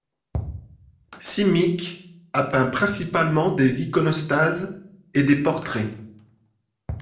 Simić a peint principalement des iconostases et des portraits.